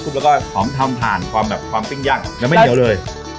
ทุบแล้วก็ชอบทำทานความแบบความปิ้งย่างแล้วไม่เหนียวเลย